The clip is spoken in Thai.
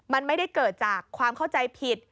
มันไม่ได้เกิดจากความเข้าใจผิด